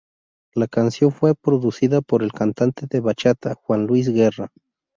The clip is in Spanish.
La canción fue producida por el cantante de bachata, Juan Luis Guerra.